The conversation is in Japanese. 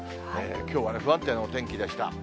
きょうは不安定なお天気でした。